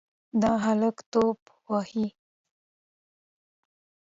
دا هلک توپ وهي.